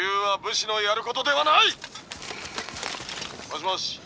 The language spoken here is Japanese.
「もしもし？」。